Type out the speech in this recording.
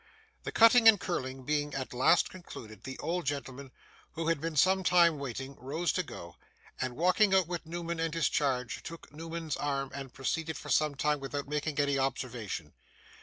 The cutting and curling being at last concluded, the old gentleman, who had been some time waiting, rose to go, and, walking out with Newman and his charge, took Newman's arm, and proceeded for some time without making any observation.